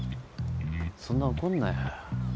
そんな怒んなよ。